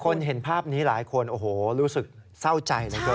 คนเห็นภาพนี้หลายคนโอ้โหรู้สึกเศร้าใจ